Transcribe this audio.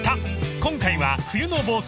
今回は冬の房総］